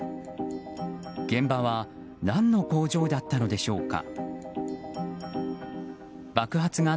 現場は何の工場だったのでしょうか。